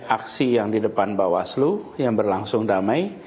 aksi yang di depan bawah selu yang berlangsung damai